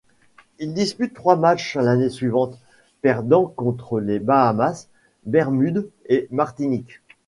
Ils disputent trois matchs l'année suivante, perdant contre les Bahamas, Bermudes et Martinique.